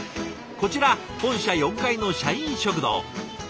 こちら本社４階の社員食堂。